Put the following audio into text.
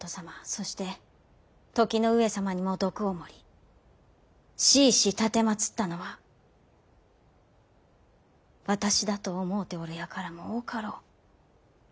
そして時の上様にも毒を盛り弑し奉ったのは私だと思うておる輩も多かろう。